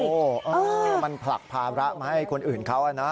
โอ้โหมันผลักภาระมาให้คนอื่นเขานะ